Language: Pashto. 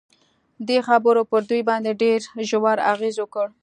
دې خبرو پر دوی باندې ډېر ژور اغېز وکړ